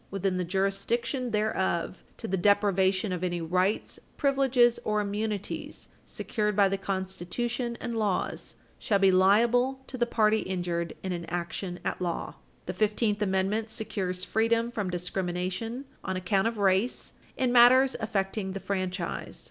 . within the jurisdiction thereof to the deprivation of any rights, privileges, or immunities secured by the Constitution and laws, shall be liable to the party injured in an action at law. ... [Footnote 4] " Page 307 U. S. 274 The Fifteenth Amendment secures freedom from discrimination on account of race in matters affecting the franchise.